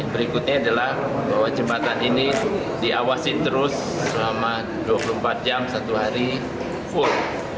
berikutnya adalah bahwa jembatan ini diawasi terus selama dua puluh empat jam satu hari full